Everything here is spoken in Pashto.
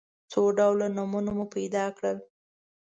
څو ډوله نومونه مو پیدا کړل.